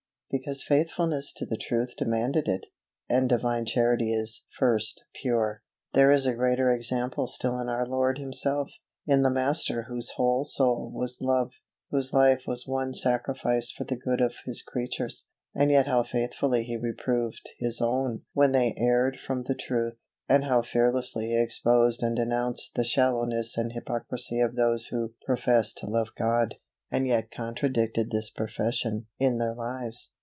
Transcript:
Because faithfulness to the truth demanded it, and Divine Charity is FIRST PURE. There is a greater example still in our Lord Himself, in the Master whose whole soul was love, whose life was one sacrifice for the good of His creatures; and yet how faithfully He reproved His own when they erred from the truth, and how fearlessly He exposed and denounced the shallowness and hypocrisy of those who professed to love God, and yet contradicted this profession in their lives.